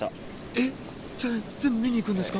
えっ、全部見に行くんですか？